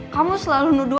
kamu selalu nuduh